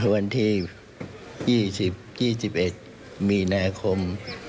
วันที่๒๐๒๑มีนาคม